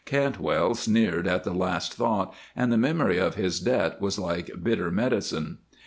Cantwell sneered at the last thought, and the memory of his debt was like bitter medicine.